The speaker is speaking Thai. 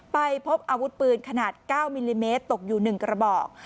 ไปพบอาวุธปืนขนาด๙มิลลิเมตรตกอยู่๑กระบอก